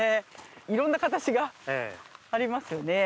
いろんな形がありますよね。